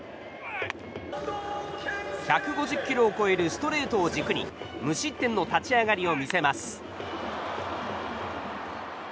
１５０キロを超えるストレートを軸に無失点の立ち上がりを見せます。